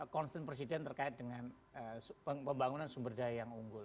konsen presiden terkait dengan pembangunan sumber daya